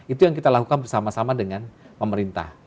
itu yang kita lakukan bersama sama dengan pemerintah